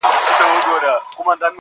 ژوند له باور نه معنا پیدا کوي.